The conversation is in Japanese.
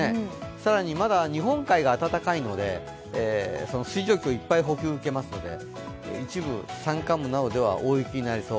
更にまだ日本海が暖かいので水蒸気をいっぱい受けますので一部、山間部などでは大雪になりそう。